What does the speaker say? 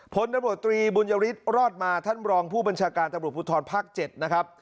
พลตำรวจตรีบุญยฤทธิ์รอดมาท่านรองผู้บัญชาการตำรวจภูทรภาค๗นะครับ